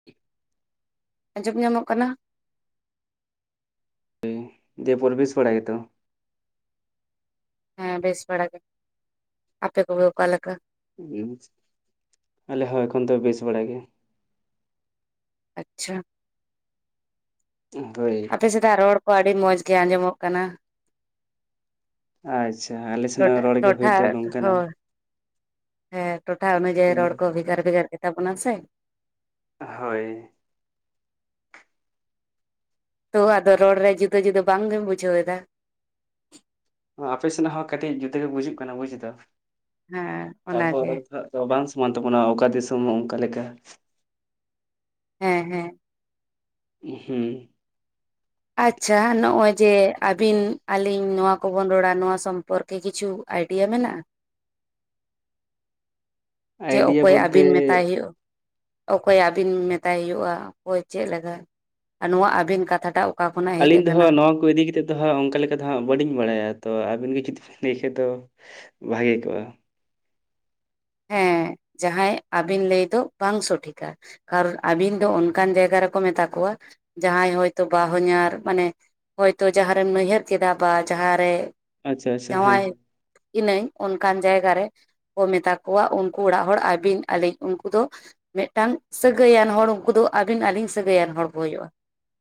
[inaudible] ᱟᱸᱡᱚᱢ ᱧᱟᱢᱚᱜ ᱠᱟᱱᱟ? ᱫᱤᱭᱮ ᱯᱚᱨ ᱵᱮᱥ ᱵᱟᱲᱟ ᱜᱮ ᱛᱚ? ᱦᱮᱸ ᱵᱮᱥ ᱵᱟᱲᱟ ᱜᱮ᱾ ᱟᱯᱮ ᱠᱚᱜᱮ ᱚᱠᱟ ᱞᱮᱠᱟ‌? ᱦᱩᱸ, ᱟᱞᱮ ᱦᱚᱸ ᱮᱠᱷᱚᱱ ᱫᱚ ᱵᱮᱥ ᱵᱟᱲᱟᱭ ᱜᱮᱭᱟ᱾ ᱟᱪᱪᱷᱟ᱾ ᱦᱳᱭ᱾ ᱟᱯᱮ ᱥᱮᱫᱟᱜ ᱨᱚᱲ ᱠᱚ ᱟᱹᱰᱤ ᱢᱚᱸᱡᱽ ᱜᱮ ᱟᱸᱡᱚᱢᱚᱜ ᱠᱟᱱᱟ ᱾ ᱟᱪᱪᱷᱟ, ᱟᱞᱮ ᱥᱮᱱᱟᱜ ᱴᱚᱴᱷᱟ ᱨᱚᱲ ᱜᱮ ᱴᱚᱴᱷᱟ ᱦᱳᱭᱛᱚ ᱱᱚᱝᱠᱟᱱᱟ ᱾ ᱦᱳᱭ ᱦᱮᱸ, ᱴᱚᱴᱷᱟ ᱚᱱᱩᱡᱟᱭᱤ ᱦᱩᱸ ᱨᱚᱲ ᱠᱚ ᱵᱷᱮᱜᱟᱨ ᱵᱷᱮᱜᱟᱨ ᱜᱮᱛᱟ ᱵᱚᱱᱟ ᱥᱮ ᱾ ᱦᱳᱭ᱾ ᱛᱚ ᱟᱫᱚ ᱨᱚᱲ ᱨᱮ ᱡᱩᱫᱟᱹ ᱡᱩᱫᱟᱹ ᱵᱟᱝ ᱜᱮᱢ ᱵᱩᱡᱷᱟᱹᱣ ᱮᱫᱟ? ᱟᱯᱮ ᱥᱮᱱᱟᱜ ᱦᱚᱸ ᱠᱟᱹᱴᱤᱡ ᱡᱩᱫᱟᱹᱜ ᱜᱮ ᱵᱩᱡᱩᱜ ᱠᱟᱱᱟ ᱵᱩᱡ ᱫᱚ, ᱦᱮᱸ ᱛᱟᱯᱚᱨ ᱚᱱᱟᱜᱮ ᱩᱱᱟᱹᱜ ᱫᱚ ᱵᱟᱝ ᱥᱚᱢᱟᱱ ᱛᱟᱵᱚᱱᱟ, ᱚᱠᱟ ᱫᱤᱥᱚᱢ ᱚᱱᱠᱟ ᱞᱮᱠᱟ? ᱦᱮᱸ ᱦᱮᱸ᱾ ᱦᱩᱸ ᱾ ᱟᱪᱪᱷᱟ, ᱱᱚᱜ-ᱚᱭ ᱡᱮ, ᱟᱹᱵᱤᱱ ᱟᱹᱞᱤᱧ ᱱᱚᱣᱟ ᱠᱚᱵᱚᱱ ᱨᱚᱲᱟ ᱱᱚᱣᱟ ᱥᱚᱢᱯᱚᱨᱠ ᱠᱤ ᱠᱤᱪᱷᱩ ᱟᱭᱰᱤᱭᱟ ᱢᱮᱱᱟᱜ-ᱟ? ᱡᱮ, ᱟᱭᱰᱤᱭᱟ ᱚᱠᱚᱭ ᱵᱚᱞᱛᱮ ᱟᱵᱤᱱ ᱢᱮᱛᱟᱭ ᱦᱩᱭᱩᱜ-ᱟ? ᱚᱠᱚᱭ ᱟᱹᱵᱤᱱ ᱢᱮᱛᱟᱭ ᱦᱩᱭᱩᱜ-ᱟ? ᱚᱠᱚᱭ ᱪᱮᱫ ᱞᱮᱠᱟ? ᱟᱨ ᱱᱚᱣᱟ ᱟᱹᱵᱤᱱ ᱠᱟᱛᱷᱟ ᱴᱟᱜ ᱟᱹᱞᱤᱧ ᱫᱚ ᱦᱟᱸᱜ ᱱᱚᱣᱟ ᱠᱚ ᱤᱫᱤ ᱠᱟᱛᱮᱫ ᱫᱚ ᱦᱟᱸᱜ ᱚᱱᱠᱟ ᱞᱮᱠᱟ ᱫᱚ ᱦᱟᱸᱜ ᱵᱟᱹᱞᱤᱧ ᱵᱟᱲᱟᱭᱟ, ᱛᱚ ᱟᱹᱵᱤᱱ ᱜᱮ ᱡᱩᱫᱤ ᱵᱤᱱ ᱞᱟᱹᱭ ᱠᱷᱟᱡ ᱫᱚ ᱵᱷᱟᱹᱜᱮ ᱠᱚᱜ-ᱟ ᱾ ᱦᱮᱸ, ᱡᱟᱦᱟᱸᱭ ᱟᱹᱵᱤᱱ ᱞᱟᱹᱭ ᱫᱚ ᱵᱟᱝ ᱥᱚᱴᱷᱤᱠᱟ᱾ ᱠᱟᱨᱚ ᱟᱹᱵᱤᱱ ᱫᱚ ᱚᱱᱠᱟᱱ ᱡᱟᱭᱜᱟ ᱨᱮᱠᱚ ᱢᱮᱛᱟ ᱠᱚᱣᱟ ᱡᱟᱦᱟᱸᱭ ᱦᱳᱭᱛᱚ ᱵᱟᱦᱚᱧᱟᱨ ᱢᱟᱱᱮ ᱦᱚᱭᱛᱳ ᱡᱟᱦᱟᱸ ᱨᱮᱢ ᱱᱟᱭᱦᱟᱹᱨ ᱠᱮᱫᱟ ᱵᱟ ᱡᱟᱦᱟᱸᱨᱮ ᱟᱪᱪᱷᱟ ᱟᱪᱪᱷᱟ ᱦᱮᱸ ᱡᱟᱶᱟᱭ ᱤᱱᱟᱹᱧ ᱚᱱᱠᱟᱱ ᱡᱟᱭᱜᱟ ᱨᱮ ᱠᱚ ᱢᱮᱛᱟ ᱠᱚᱣᱟᱜ ᱩᱱᱠᱩ ᱚᱲᱟᱜ ᱦᱚᱲ ᱟᱹᱵᱤᱱ ᱟᱹᱞᱤᱧ ᱩᱱᱠᱩ ᱫᱚ ᱢᱤᱫᱴᱟᱝ ᱥᱟᱹᱜᱟᱹᱭᱟᱱ ᱦᱚᱲ, ᱩᱱᱠᱩ ᱫᱚ ᱟᱹᱵᱤᱱ ᱟᱹᱞᱤᱧ ᱥᱟᱹᱜᱟᱹᱭᱟᱱ ᱦᱚᱲ ᱠᱚ ᱦᱩᱭᱩᱜ-ᱟ᱾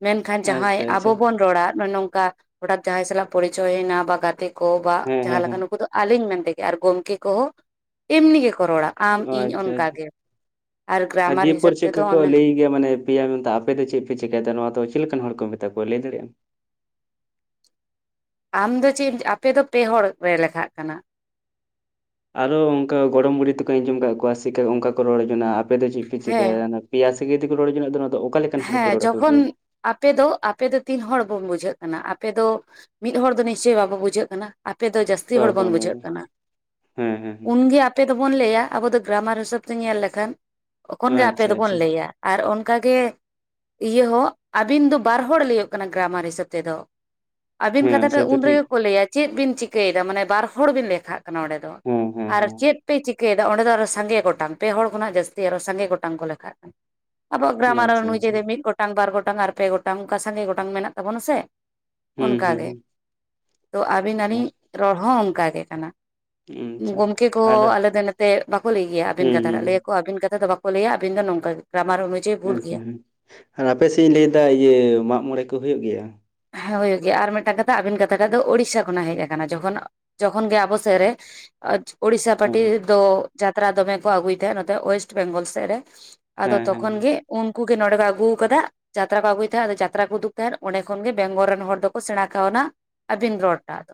ᱢᱮᱱᱠᱷᱟᱱ ᱡᱟᱦᱟᱸᱭ ᱟᱪᱪᱷᱟ ᱟᱪᱪᱷᱟ ᱟᱵᱚ ᱵᱚᱱ ᱨᱚᱲᱟ ᱱᱚᱝᱠᱟ ᱦᱚᱴᱟᱛ ᱡᱟᱦᱟᱸᱭ ᱥᱟᱞᱟᱜ ᱯᱚᱨᱤᱪᱚᱭ ᱦᱩᱭᱱᱟ ᱵᱟ ᱜᱟᱛᱮ ᱠᱚ ᱵᱟ ᱦᱮᱸ ᱦᱮᱸ ᱡᱟᱦᱟᱸ ᱞᱮᱠᱟ ᱦᱮᱸ ᱱᱩᱠᱩ ᱫᱚ ᱟᱹᱞᱤᱧ ᱢᱮᱱᱛᱮ ᱜᱮ ᱟᱨ ᱜᱚᱝᱠᱮ ᱠᱚᱦᱚᱸ ᱮᱢᱱᱤ ᱜᱮ ᱠᱚ ᱨᱚᱲᱟ ᱟᱢ ᱟᱪᱪᱷᱟ ᱤᱧ ᱟᱪᱪᱷᱟ ᱚᱱᱠᱟ ᱜᱮ ᱟᱨ ᱜᱨᱟᱢᱟᱨ ᱦᱤᱥᱟᱹᱵ ᱛᱮᱫᱚ ᱚᱱᱮ ᱤᱭᱟ ᱢᱟᱱᱮ ᱯᱮᱭᱟᱝ ᱛᱚ ᱢᱟᱱᱮ ᱟᱯᱮ ᱫᱚ ᱪᱮᱫ ᱯᱮ ᱪᱮᱠᱟᱭᱫᱟ? ᱱᱚᱣᱟ ᱫᱚ ᱪᱮᱫ ᱞᱮᱠᱟᱱ ᱦᱚᱲ ᱠᱚ ᱢᱮᱛᱟ ᱠᱚᱣᱟ? ᱞᱟᱹᱭ ᱫᱟᱲᱮᱭᱟᱜ ᱟᱢ? ᱟᱢ ᱫᱚ ᱪᱮᱫ ᱮᱢ? ᱟᱯᱮ ᱫᱚ ᱯᱮ ᱦᱚᱲ ᱯᱮ ᱞᱮᱠᱷᱟᱜ ᱠᱟᱱᱟ᱾ ᱟᱨᱫ ᱜᱚᱝᱠᱮ ᱜᱚᱲᱚᱢ ᱵᱩᱲᱦᱤ ᱛᱮᱠᱚ ᱟᱸᱡᱚᱢ ᱠᱟᱫ ᱠᱚᱣᱟ, ᱥᱮᱠᱟᱹ ᱚᱱᱠᱟ ᱠᱚ ᱨᱚᱲᱮᱜ ᱠᱟᱱᱟ, ᱟᱯᱮ ᱫᱚ ᱪᱮᱫ ᱯᱮ ᱦᱮᱸ ᱪᱤᱠᱟᱹᱭᱮᱫᱟ ᱱᱟ? ᱱᱚᱣᱟ ᱯᱮᱭᱟ ᱥᱟ ᱥᱟᱹᱜᱟᱭ ᱛᱮᱠᱚ ᱨᱚᱲ ᱡᱚᱱᱟᱜ ᱫᱚ ᱱᱚᱣᱟ ᱫᱚ ᱚᱠᱟ ᱞᱮᱠᱟᱱ ᱦᱚᱲ ᱠᱚ ᱦᱮᱸ ᱨᱚᱲ ᱟᱠᱚ ᱡᱚᱠᱷᱚᱱ ᱜᱮᱭᱟ? ᱟᱯᱮ ᱫᱚ ᱟᱯᱮ ᱫᱚ ᱛᱤᱱ ᱦᱚᱲ ᱵᱚᱱ ᱵᱩᱡᱷᱟᱹᱜ ᱠᱟᱱᱟ ᱟᱯᱮ ᱫᱚ ᱢᱤᱫ ᱦᱚᱲ ᱫᱚ ᱱᱤᱥᱪᱳᱭ ᱵᱟᱵᱚ ᱵᱩᱡᱷᱟᱹᱜ ᱠᱟᱱᱟ᱾ ᱟᱯᱮ ᱫᱚ ᱡᱟᱹᱥ ᱛᱤ ᱵᱟ ᱦᱚᱲ ᱵᱟ ᱵᱚᱱ ᱵᱟ ᱵᱩᱡᱷᱟᱹᱜ ᱵᱟ ᱠᱟᱱᱟᱜ᱾ ᱦᱮᱸ ᱦᱮᱸ ᱦᱮᱸ ᱩᱱᱜᱮ ᱟᱯ ᱟᱯᱮ ᱫᱚᱵᱚᱱ ᱞᱟᱹᱭᱟ ᱟᱵᱚ ᱫᱚ ᱜᱨᱟᱢᱟᱨ ᱦᱤᱥᱟᱹᱵ ᱛᱮ ᱧᱮᱞ ᱞᱮᱠᱷᱟᱱ ᱛᱚᱠᱷᱚᱱ ᱜᱮ ᱟᱯᱮ ᱟᱪᱪᱷᱟ ᱟᱪᱪᱷᱟ ᱫᱚᱵᱚᱱ ᱞᱟᱹᱭᱟ᱾ ᱟᱨ ᱚᱱᱠᱟ ᱜᱮ ᱤᱭᱟᱹ ᱦᱚᱸ ᱟᱹᱵᱤᱱ ᱫᱚ ᱵᱟᱨ ᱦᱚᱲ ᱞᱟᱹᱭᱟᱹᱜ ᱠᱟᱱᱟ ᱜᱨᱟᱢᱟᱨ ᱦᱤᱥᱟᱹᱵ ᱛᱮᱫᱚ᱾ ᱟᱵᱤᱱ ᱦᱮᱸ ᱠᱟᱛᱷᱟ ᱴᱟᱜ ᱥᱮᱛᱚ ᱴᱷᱤᱠ ᱩᱱᱨᱮᱜᱮ ᱠᱚ ᱞᱟᱹᱭᱟ᱾ ᱪᱮᱫ ᱵᱤᱱ ᱪᱤᱠᱟᱹᱭᱮᱫᱟ ᱢᱟᱱᱮ ᱵᱟᱨ ᱦᱚᱲ ᱵᱤᱱ ᱞᱮᱠᱷᱟᱜ ᱠᱟᱱᱟ ᱚᱸᱰᱮ ᱫᱚ᱾ ᱦᱮᱸ ᱦᱮᱸ ᱟᱨ ᱪᱮᱫ ᱦᱮᱸ ᱯᱮ ᱪᱤᱠᱟᱹᱭᱮᱫᱟ ᱚᱸᱰᱮ ᱫᱚ ᱟᱨᱚ ᱥᱟᱸᱜᱮ ᱜᱚᱴᱟᱝ ᱯᱮ ᱦᱚᱲ ᱠᱷᱚᱱᱟᱜ ᱡᱟᱹᱥᱛᱤ ᱟᱨᱚ ᱥᱟᱸᱜᱮ ᱜᱚᱴᱟᱝ ᱠᱚ ᱞᱮᱠᱷᱟᱜ ᱠᱟᱱᱟ᱾ ᱟᱵᱚᱣᱟᱜ ᱜᱨᱟᱢᱟᱨ ᱟᱪᱪᱷᱟ ᱟᱪᱪᱷᱟ ᱚᱱᱩᱡᱟᱭᱤ ᱫᱚ ᱢᱤᱫ ᱜᱚᱴᱟᱝ, ᱵᱟᱨ ᱜᱚᱴᱟᱝ, ᱟᱨ ᱯᱮ ᱜᱚᱴᱟᱝ ᱚᱱᱠᱟ ᱥᱟᱸᱜᱮ ᱜᱚᱴᱟᱝ ᱢᱮᱱᱟᱜ ᱛᱟᱵᱚᱱᱟ ᱥᱮ᱾ ᱦᱩᱸ ᱦᱩᱸ ᱚᱱᱠᱟᱜᱮ ᱦᱩᱸ ᱛᱚ ᱟᱹᱵᱤᱱ ᱟᱨ ᱟᱹᱞᱤᱧ ᱟᱪᱪᱷᱟ ᱨᱚᱲ ᱦᱚᱸ ᱚᱱᱠᱟᱜᱮ ᱠᱟᱱᱟ᱾ ᱜᱚᱢᱠᱮ ᱠᱚ ᱟᱨ ᱟᱞᱮ ᱫᱚ ᱱᱮᱛᱮ ᱵᱟᱠᱚ ᱞᱟᱹᱭ ᱜᱮᱭᱟ ᱟᱵᱤᱱ ᱦᱩᱸ ᱠᱟᱛᱷᱟ ᱦᱩᱸ ᱴᱟᱜ᱾ ᱞᱟᱹᱭᱟᱠᱚ ᱟᱵᱤᱱ ᱠᱟᱛᱷᱟ ᱫᱚ ᱵᱟᱠ ᱠᱚ ᱞᱟᱹᱭᱟ ᱟᱵᱤᱱ ᱫᱚ ᱱᱚᱝᱠᱟ ᱜᱮ ᱜᱨᱟᱢᱟᱨ ᱚᱱᱩᱡ ᱟᱪᱪᱷᱟ ᱦᱮᱸ ᱟᱨ ᱟᱯᱮ ᱥᱮᱫ ᱤᱧ ᱞᱟᱹᱭ ᱮᱫᱟ ᱤᱭᱟᱹ ᱢᱟᱜᱽ ᱢᱚᱬᱮ ᱠᱚ ᱦᱩᱭᱩᱜ ᱜᱮᱭᱟ? ᱦᱮᱸ ᱦᱩᱭᱩᱜ ᱜᱮᱭᱟ, ᱟᱨ ᱢᱤᱫᱴᱟᱝ ᱠᱟᱛᱷᱟ ᱟᱵᱤᱱ ᱠᱟᱛᱷᱟ ᱴᱷᱟᱜ ᱫᱚ ᱳᱲᱤᱥᱟ ᱠᱷᱚᱱᱟᱜ ᱦᱮᱡ ᱟᱠᱟᱱᱟ ᱡᱚᱠᱷᱚᱱ ᱡᱚᱠᱷᱚᱱ ᱜᱮ ᱟᱵᱚ ᱥᱮᱫ ᱨᱮ ᱟᱡ ᱩᱲᱤᱥᱥᱟ ᱯᱟᱴᱤ ᱦᱮᱸ ᱫᱚ ᱡᱟᱛᱨᱟ ᱫᱚᱢᱮ ᱠᱚ ᱟᱹᱜᱩᱭ ᱛᱟᱦᱮᱸᱫ ᱱᱚᱛᱮ ᱳᱭᱮᱥᱴ ᱵᱮᱝᱜᱚᱞ ᱥᱮᱫ ᱨᱮ᱾ ᱟᱫᱚ ᱦᱮᱸ ᱦᱮᱸ ᱛᱚᱠᱷᱚᱱ ᱦᱮᱸ ᱜᱮ ᱩᱱᱠᱩ ᱜᱮ ᱱᱚᱰᱮ ᱠᱚ ᱟᱹᱜᱩᱣ ᱟᱠᱟᱫᱟ ᱡᱟᱛᱨᱟ ᱠᱚ ᱟᱹᱜᱩᱭ ᱛᱟᱦᱮᱸᱫ ᱟᱫᱚ ᱡᱟᱛᱨᱟ ᱠᱚ ᱩᱫᱩᱠ ᱛᱟᱦᱮᱸᱫ ᱚᱸᱰᱮ ᱠᱷᱚᱱ ᱜᱮ ᱵᱮᱝᱜᱚᱞ ᱨᱮᱱ ᱦᱚᱲ ᱫᱚᱠᱚ ᱥᱮᱬᱟ ᱠᱟᱣᱱᱟ᱾ ᱟᱹᱵᱤᱱ ᱨᱚᱲ ᱴᱟᱜ᱾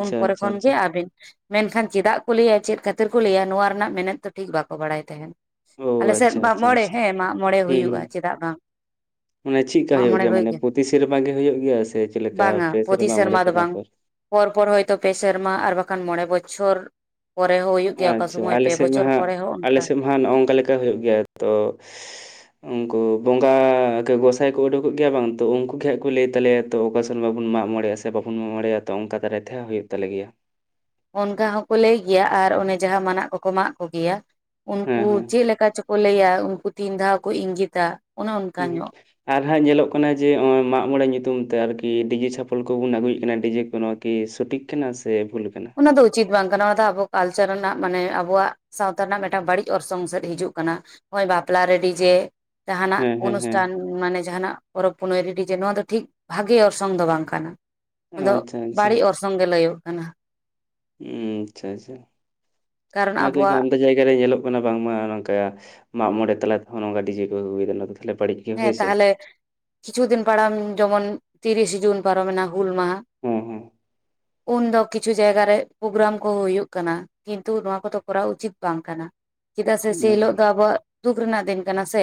ᱩᱱ ᱯᱚᱨᱮ ᱟᱪᱪᱷᱟ ᱟᱪᱪᱷᱟ ᱠᱷᱚᱱᱜᱮ ᱟᱹᱵᱤᱱ᱾ ᱢᱮᱱᱠᱷᱟᱱ ᱪᱮᱫᱟᱜ ᱠᱚ ᱞᱟᱹᱭᱟ ᱪᱮᱫ ᱠᱷᱟᱹᱛᱤᱨ ᱠᱚ ᱞᱟᱹᱭᱟ ᱱᱚᱣᱟ ᱨᱮᱱᱟᱜ ᱢᱮᱱᱮᱫ ᱫᱚ ᱴᱷᱤᱠ ᱵᱟᱠᱚ ᱵᱟᱲᱟᱭ ᱛᱟᱦᱮᱱ᱾ ᱳ ᱟᱞᱮᱥᱮᱫ ᱟᱪᱪᱷᱟ ᱢᱟᱜᱽ ᱟᱪᱪᱷᱟ ᱢᱚᱬᱮ ᱟᱪᱪᱷᱟ ᱦᱮᱸ ᱢᱟᱜ ᱢᱚᱬᱮ ᱦᱩᱭᱩᱜᱼᱟ ᱦᱩᱸ ᱪᱮᱫᱟᱜ ᱵᱟᱝ᱾ ᱢᱟᱱᱮ ᱪᱮᱫᱠᱟ ᱦᱩᱭᱩᱜ ᱜᱮᱭᱟ ᱢᱟᱱᱮ ᱯᱚᱛᱤ ᱥᱮᱨᱢᱟ ᱜᱮ ᱦᱩᱭᱩᱜ ᱜᱮᱭᱟ ᱥᱮ ᱪᱮᱫᱠᱟ ᱵᱟᱝᱟ ᱯᱮ ᱯᱨᱚᱛᱤ ᱥᱮᱨᱢᱟ ᱢᱚᱬᱮ ᱫᱚ ᱥᱮᱨᱢᱟ ᱵᱟᱝ ᱯᱚᱨ? ᱯᱚᱨ ᱯᱚᱨ ᱦᱭᱛᱚ ᱯᱮ ᱥᱮᱨᱢᱟ ᱟᱨ ᱵᱟᱠᱷᱟᱱ ᱢᱚᱬᱮ ᱵᱚᱪᱷᱚᱨ᱾ ᱯᱚᱨᱮ ᱦᱚᱸ ᱦᱩᱭᱩᱜ ᱜᱮᱭᱟ ᱚᱠᱟ ᱥᱳᱚᱢᱚᱭ ᱯᱮ ᱵᱚᱪᱷᱚᱨ ᱯᱚᱨᱮ ᱦᱚᱸ ᱚᱱᱠᱟ᱾ ᱦᱮᱸ ᱱᱚᱜᱼᱚᱝᱠᱟ ᱞᱮᱠᱟ ᱦᱩᱭᱩᱜ ᱜᱮᱭᱟ ᱛᱚ ᱩᱱᱠᱩ ᱵᱚᱸᱜᱟ ᱜᱮ ᱜᱚᱸᱥᱟᱭ ᱠᱚ ᱩᱰᱩᱠᱚᱜ ᱜᱮᱭᱟ ᱵᱟᱝ ᱛᱚ ᱩᱱᱠᱩ ᱜᱮ ᱦᱟᱸᱜ ᱠᱚ ᱞᱟᱹᱭ ᱛᱟᱞᱮᱭᱟ᱾ ᱛᱚ ᱚᱠᱟ ᱥᱮᱨᱢᱟ ᱵᱚᱱ ᱢᱟᱜᱽ ᱢᱚᱬᱮᱜ-ᱟ ᱥᱮ ᱵᱟᱵᱚᱱ ᱢᱟᱜᱽ ᱢᱚᱲᱮᱜ-ᱟ ᱛᱚ ᱚᱱᱠᱟ ᱫᱟᱨᱟᱭ ᱛᱮᱦᱚ ᱦᱩᱭᱩᱜ ᱛᱟᱞᱮ ᱜᱮᱭᱟ᱾ ᱚᱱᱠᱟ ᱦᱚᱸᱠᱚ ᱞᱟᱹᱭ ᱜᱮᱭᱟ ᱟᱨ ᱚᱱᱮ ᱡᱟᱦᱟᱸ ᱢᱟᱱᱟᱜ ᱠᱚᱠᱚ ᱢᱟᱜ ᱠᱚᱜᱮᱭᱟ ᱦᱮᱸ ᱩᱱᱠᱩ ᱦᱮᱸ ᱪᱮᱫ ᱞᱮᱠᱟ ᱪᱚ ᱠᱚ ᱞᱟᱹᱭᱟ ᱩᱱᱠᱩ ᱛᱤᱱ ᱫᱷᱟᱣ ᱠᱚ ᱤᱝᱜᱤᱛᱟ᱾ ᱚᱱᱮ ᱚᱱᱠᱟ ᱩᱦᱩᱸᱜ᱾ ᱧᱚᱜ ᱟᱨ ᱦᱟᱸᱜ ᱧᱮᱞᱚᱜ ᱠᱟᱱᱟ ᱡᱮ ᱱᱚᱜᱼᱚᱭ ᱢᱟᱜᱽ ᱢᱚᱬᱮ ᱧᱩᱛᱩᱢ ᱛᱮ ᱟᱨᱠᱤ ᱰᱤᱡᱮ ᱪᱷᱟᱯᱚᱞ ᱠᱚᱵᱚᱱ ᱟᱹᱜᱩᱭᱮᱫ ᱠᱟᱱᱟ ᱰᱤᱡᱮ ᱠᱩ ᱱᱚᱣᱟ ᱠᱤ ᱥᱚᱴᱷᱤᱠ ᱠᱟᱱᱟ, ᱥᱮ ᱵᱷᱩᱞ ᱠᱟᱱᱟ? ᱚᱱᱟ ᱫᱚ ᱩᱪᱤᱛ ᱵᱟᱝ ᱠᱟᱱᱟ ᱚᱱᱟ ᱫᱚ ᱟᱵᱚ ᱠᱟᱞᱪᱟᱨ ᱨᱮᱱᱟᱜ ᱢᱟᱱᱮ ᱟᱵᱚᱣᱟᱜ ᱥᱟᱶᱛᱟ ᱨᱮᱱᱟᱜ ᱢᱤᱫᱴᱟᱱ ᱵᱟᱹᱲᱤᱡ ᱚᱨᱥᱚᱝ ᱥᱮᱫ ᱦᱤᱡᱩᱜ ᱠᱟᱱᱟ, ᱱᱚᱜᱼᱚᱭ ᱵᱟᱯᱞᱟ ᱨᱮ ᱰᱤᱡᱮ ᱡᱟᱦᱱᱟ-ᱜ ᱦᱮᱸ ᱦᱮᱸ ᱦᱮᱸ ᱚᱱᱩᱥᱴᱷᱟᱱ᱾ ᱢᱟᱱᱮ ᱡᱟᱦᱟᱸᱱᱟᱜ ᱯᱚᱨᱚᱵᱽ ᱯᱩᱱᱟᱹᱭ ᱨᱮ ᱰᱤ ᱡᱮ ᱱᱚᱣᱟ ᱫᱚ ᱴᱷᱤᱠ ᱵᱷᱟᱜᱮ ᱚᱨᱥᱚᱝ ᱫᱚ ᱵᱟᱝ ᱠᱟᱱᱟ᱾ ᱟᱸᱫᱚ ᱟᱪᱪᱷᱟ ᱟᱪᱪᱷᱟ ᱵᱟᱹᱲᱤᱡ ᱚᱨᱥᱚᱝ ᱜᱮ ᱞᱟᱹᱭᱚᱜ ᱠᱟᱱᱟ᱾ ᱦᱩᱸᱢ ᱟᱪᱪᱷᱟ ᱟᱪᱪᱷᱟ ᱠᱟᱨᱚᱱ ᱱᱚᱣᱟ ᱠᱤ ᱦᱟᱜᱠᱷᱟᱡ ᱟᱵᱚᱣᱟᱜ ᱟᱢᱫᱟ ᱡᱟᱭᱜᱟ ᱨᱮ ᱧᱮᱞᱚᱜ ᱠᱟᱱᱟ ᱵᱟᱝᱢᱟ ᱱᱚᱝᱠᱟ ᱢᱟᱜᱽ ᱢᱚᱬᱮ ᱛᱟᱞᱟ ᱛᱮᱦᱚᱸ ᱱᱚᱝᱠᱟ ᱰᱤᱡᱮ ᱠᱚ ᱟᱹᱜᱩᱭᱮᱫᱟ ᱱᱟᱣᱟ ᱫᱚ ᱛᱟᱦᱚᱸᱞᱮ ᱵᱟᱹᱲᱤᱡ ᱜᱮ ᱦᱳᱭ ᱦᱮᱸ ᱥᱮ ᱛᱟᱦᱚᱸᱞᱮ ᱠᱤᱪᱷᱩ ᱫᱤᱱ ᱯᱟᱲᱟᱢ ᱡᱮᱢᱚᱱ ᱛᱤᱨᱤᱥᱮ ᱡᱩᱱ ᱯᱟᱨᱚᱢᱮᱱᱟ ᱦᱩᱞ ᱢᱟᱦᱟᱸ᱾ ᱦᱮᱸ ᱦᱮᱸ᱾ ᱩᱱᱫᱚ ᱠᱤᱪᱷᱩ ᱡᱟᱭᱜᱟ ᱨᱮ ᱯᱨᱳᱜᱨᱟᱢ ᱠᱚᱸᱦᱚ ᱦᱳᱭᱩᱜ ᱠᱟᱱᱟ᱾ ᱠᱤᱱᱛᱩ ᱱᱚᱣᱟ ᱠᱚᱫᱚᱸ ᱠᱚᱨᱟᱣ ᱩᱪᱤᱛ ᱵᱟᱝ ᱠᱟᱱᱟ᱾ ᱪᱮᱫᱟᱜ ᱥᱮ ᱥᱮᱭ ᱦᱤᱞᱳᱜ ᱟᱪᱪᱷᱟ ᱫᱚ ᱟᱸᱵᱚᱣᱟᱜ ᱫᱩᱠ ᱨᱮᱱᱟᱜ ᱫᱤᱱ ᱠᱟᱱᱟ ᱥᱮ᱾